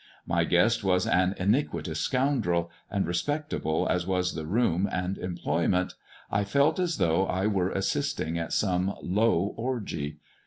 My guest was an iniquitous scoundrel, and respectable as was the room and employment, I felt as though I were assisting at some low orgy.